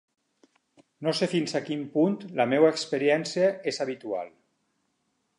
No sé fins a quin punt la meva experiència és habitual.